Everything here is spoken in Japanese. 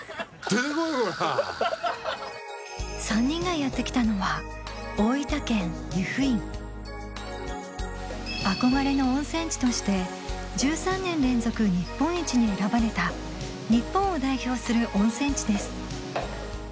３人がやって来たのはあこがれの温泉地として１３年連続日本一に選ばれた日本を代表する温泉地です